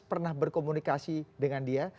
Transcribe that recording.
pernah berkomunikasi dengan dia